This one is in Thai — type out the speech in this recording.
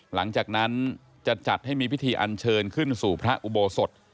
หลังจากนั้นจะจัดให้มีพิธีอันเชิญขึ้นสู่พระอุโบสถ